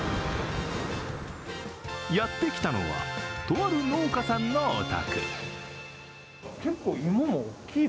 やってきたのは、とある農家さんのお宅。